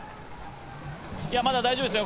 まだ大丈夫ですよ。